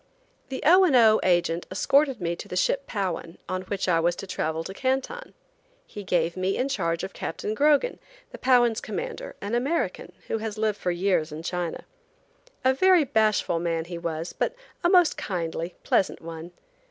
THE O. and O. agent escorted me to the ship Powan, on which I was to travel to Canton. He gave me in charge of Captain Grogan, the Powan's commander, an American, who has lived for years in China. A very bashful man he was, but a most kindly, pleasant one.